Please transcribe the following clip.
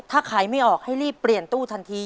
ถ้าขายไม่ออกให้รีบเปลี่ยนตู้ทันที